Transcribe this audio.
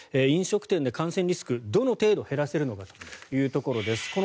飲食店で感染リスクどの程度減らせるのかというところです。